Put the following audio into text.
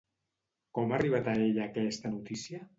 Com ha arribat a ella aquesta notícia?